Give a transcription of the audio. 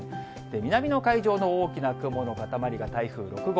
南の海上の大きな雲の固まりが台風６号。